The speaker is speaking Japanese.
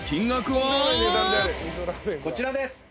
こちらです。